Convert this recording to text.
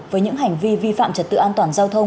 với những hành vi vi phạm trật tự an toàn giao thông